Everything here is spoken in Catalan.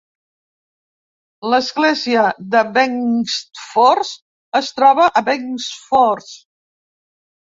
L'església de Bengtsfors es troba a Bengtsfors.